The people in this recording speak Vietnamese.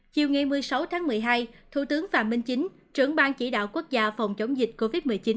chiều một mươi sáu một mươi hai thủ tướng phạm minh chính trưởng bang chỉ đạo quốc gia phòng chống dịch covid một mươi chín